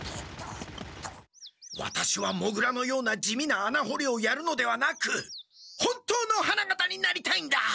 ワタシはモグラのような地味なあなほりをやるのではなく本当の花形になりたいんだ！